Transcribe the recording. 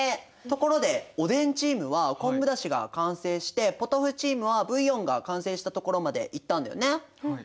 ところでおでんチームは昆布だしが完成してポトフチームはブイヨンが完成したところまでいったんだよね。